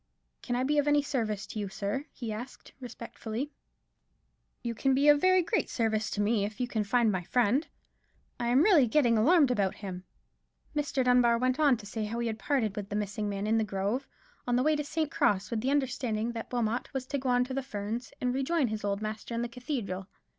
"Can I be of any service to you, sir?" he asked, respectfully. "You can be of very great service to me, if you can find my friend; I am really getting alarmed about him." Mr. Dunbar went on to say how he had parted with the missing man in the grove, on the way to St. Cross, with the understanding that Wilmot was to go on to the Ferns, and rejoin his old master in the cathedral.